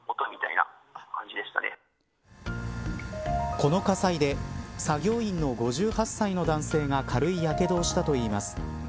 この火災で作業員の５８歳の男性が軽いやけどをしたといいます。